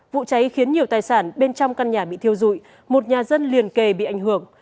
vụ cháy khiến nhiều tài sản bên trong căn nhà bị thiêu dụi một nhà dân liền kề bị ảnh hưởng